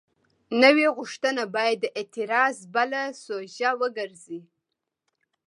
نوې غوښتنه باید د اعتراض بله سوژه وګرځي.